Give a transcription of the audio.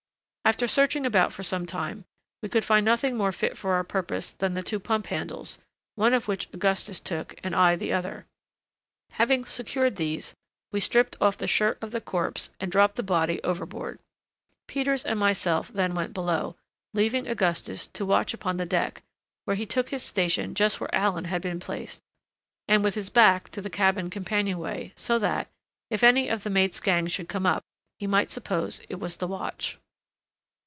After searching about for some time, we could find nothing more fit for our purpose than the two pump handles, one of which Augustus took, and I the other. Having secured these, we stripped off the shirt of the corpse and dropped the body overboard. Peters and myself then went below, leaving Augustus to watch upon deck, where he took his station just where Allen had been placed, and with his back to the cabin companionway, so that, if any of the mate's gang should come up, he might suppose it was the watch.